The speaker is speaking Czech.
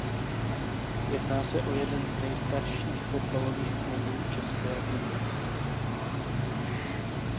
Jedná se o jeden z nejstarších fotbalových klubů v České republice.